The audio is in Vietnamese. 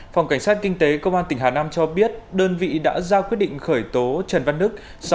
phòng cảnh sát kinh tế công an tỉnh hà nam cho biết đơn vị đã ra quyết định khởi tố trần văn đức